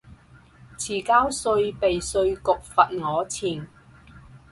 遲交稅被稅局罰我錢